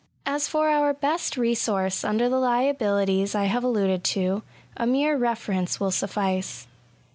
As for our best resource under the liabilities I have alluded to, a mere reference will suffice.